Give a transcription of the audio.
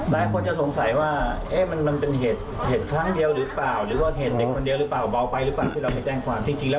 หลายคนจะสงสัยว่าเอ๊ะมันยังเป็นเหตุเหตุครั้งเดียวรึเปล่า